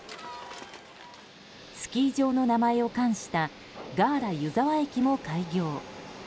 スキー場の名前を冠したガーラ湯沢駅も開業。